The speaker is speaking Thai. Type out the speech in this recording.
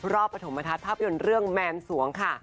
รอบปฐมภัทรภาพยนตร์เรื่องแมนส่วงค่ะ